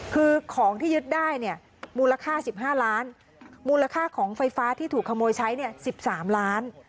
คือของที่ยึดได้เนี่ยมูลค่า๑๕ล้านมูลค่าของไฟฟ้าที่ถูกขโมยใช้๑๓ล้าน